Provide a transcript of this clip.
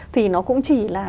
thì nó cũng chỉ là